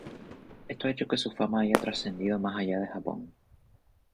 Esto ha hecho que su fama haya trascendido más allá de Japón.